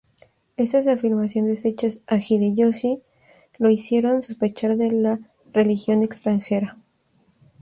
Estas afirmaciones hechas a Hideyoshi lo hicieron sospechar de la religión extranjera.